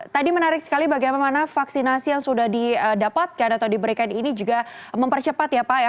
tadi menarik sekali bagaimana vaksinasi yang sudah didapatkan atau diberikan ini juga mempercepat ya pak ya